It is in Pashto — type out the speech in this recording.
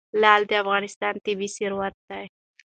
لعل د افغانستان طبعي ثروت دی.